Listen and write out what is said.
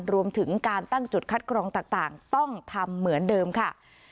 รวมถึงการตั้งจุดคัดกรองต่างต้องทำเหมือนเดิมค่ะ